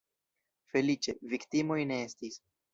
Feliĉe, viktimoj ne estis.